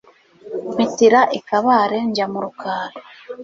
mpitira i kabare njya mu rukari